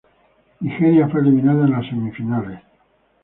Nigeria fue eliminada en las semifinales.